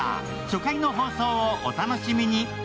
初回の放送をお楽しみに。